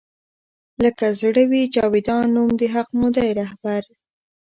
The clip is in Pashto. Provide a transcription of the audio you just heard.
لــــــــــکه زړه وي جـــاویــــدان نــــوم د حــــق مو دی رهـــــــــبر